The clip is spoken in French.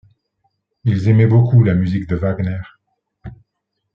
Ils aimaient beaucoup la musique de Wagner.